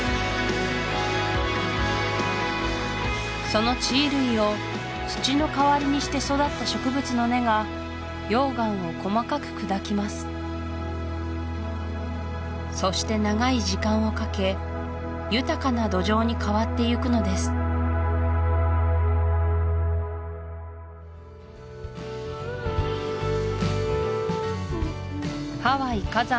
その地衣類を土のかわりにして育った植物の根が溶岩を細かく砕きますそして長い時間をかけ豊かな土壌に変わってゆくのですハワイ火山